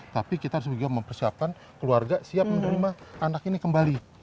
tapi kita harus juga mempersiapkan keluarga siap menerima anak ini kembali